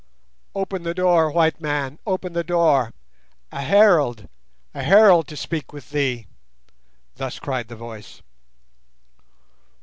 "Open the door, white man; open the door! A herald—a herald to speak with thee." Thus cried the voice.